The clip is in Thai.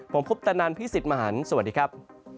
ผมพุพธนันพี่สิทธิ์มหาญสวัสดีครับ